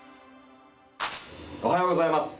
おはようございます。